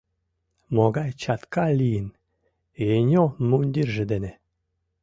Могай чатка лийын Енё мундирже дене!